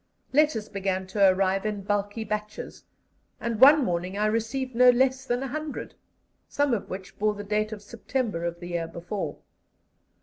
Letters began to arrive in bulky batches, and one morning I received no less than 100, some of which bore the date of September of the year before.